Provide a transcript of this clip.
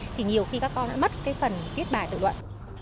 thì nhiều khi các con đã mất cái phần viết bài tự luận